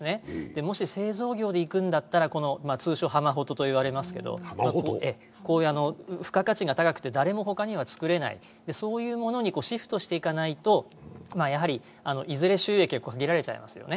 もし製造業でいくのだったら通称・浜ホトと言われますけど、こういう付加価値が高くて誰も他には作れない、そういうものにシフトしていかないと、やはり、いずれ収益は限られちゃいますよね。